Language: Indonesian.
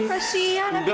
kasihan abi takut